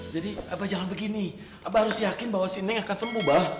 jadi abah jangan begini abah harus yakin bahwa si neng akan sembuh mbah